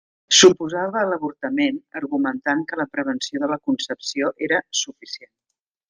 S'oposava a l'avortament argumentant que la prevenció de la concepció era suficient.